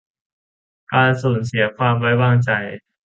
การสูญเสียความไว้วางใจ